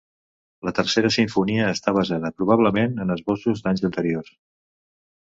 La tercera simfonia està basada probablement en esbossos d'anys anteriors.